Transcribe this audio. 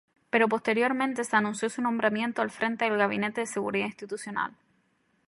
Pero posteriormente se anunció su nombramiento al frente del Gabinete de Seguridad Institucional.